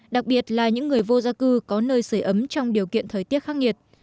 đặc biệt là những người vô gia cư có nơi sửa ấm trong điều kiện thời tiết khắc nghiệt